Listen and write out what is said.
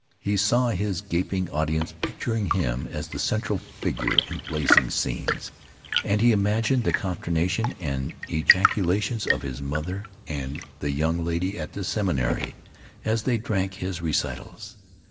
He saw his gaping audience picturing him as the central figure in blazing scenes. And he imagined the consternation and the ejaculations of his mother and the young lady at the seminary as they drank his recitals.